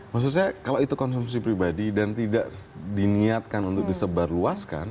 maksud saya kalau itu konsumsi pribadi dan tidak diniatkan untuk disebarluaskan